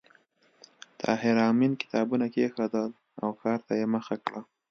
طاهر آمین کتابونه کېښودل او کار ته یې مخه کړه